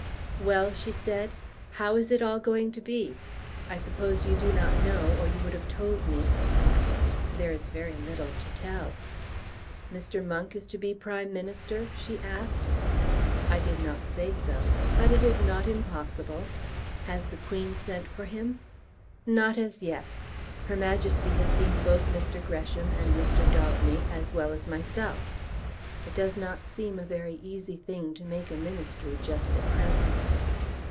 "Well," she said; "how is it all going to be? I suppose you do not know or you would have told me?" "There is very little to tell." "Mr. Monk is to be Prime Minister?" she asked. "I did not say so. But it is not impossible." "Has the Queen sent for him?" "Not as yet. Her Majesty has seen both Mr. Gresham and Mr. Daubeny as well as myself. It does not seem a very easy thing to make a Ministry just at present."